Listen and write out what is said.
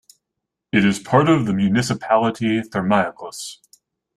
It is part of the municipality Thermaikos.